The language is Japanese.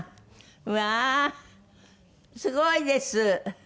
うわーすごいです！